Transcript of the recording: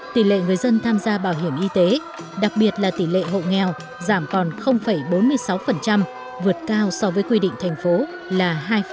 tám mươi sáu năm mươi sáu tỷ lệ người dân tham gia bảo hiểm y tế đặc biệt là tỷ lệ hộ nghèo giảm còn bốn mươi sáu vượt cao so với quy định thành phố là hai